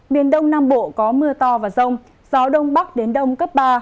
miền đông nam bộ có mưa to và rông gió đông bắc đến đông cấp ba